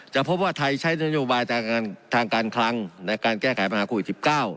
พบว่าไทยใช้นโยบายทางการคลังในการแก้ไขปัญหาโควิด๑๙